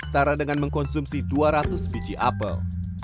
setara dengan mengkonsumsi dua ratus biji apel